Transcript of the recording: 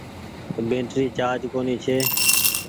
بيٽري چآرج ڪونيٚ ڇي۔